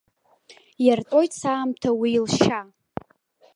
Иартәоит саамҭа уи лшьа.